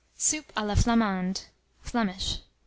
SOUP A LA FLAMANDE (Flemish).